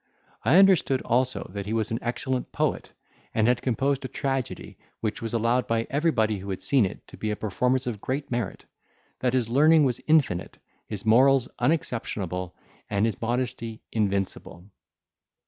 I understood also, that he was an excellent poet, and had composed a tragedy, which was allowed by everybody who had seen it to be a performance of great merit: that his learning was infinite, his morals unexceptionable, and his modesty invincible.